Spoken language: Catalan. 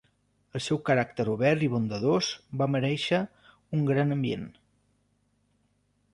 Pel seu caràcter obert i bondadós, va merèixer un gran ambient.